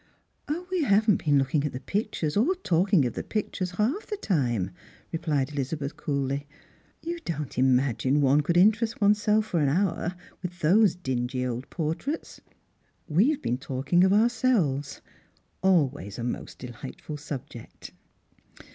" We haven't been looking at the pictures or talking of the pictures half the time," replied Elizabeth coolly. " You don't imagine one could interest oneself for an hour with those dingy old portraits. We have been talking of ourselves — always a nwst delightful subject."